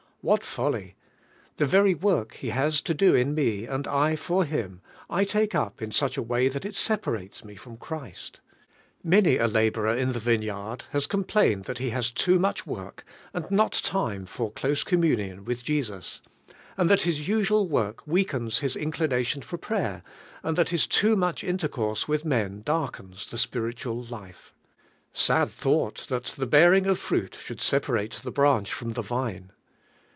What folly! The very work '200 DIVXIO! IIFAI.TNG. fliat Tli< has hi do in me, anil I for Hint, 1 take op in such a way that it separates im ■ from Christ. Jinny n laborer in the vim viird has complained (lint lie has too lnuch work, ami not time for close oom Iini willi Jesus, and that his usual work weakens bis inclination for prayer, and thai his too much intercourse with i i darkens tie spiritual life. Pad thought, thai the bearing of frail shonld separate the branch from the vine!